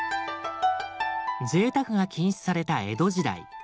ぜいたくが禁止された江戸時代。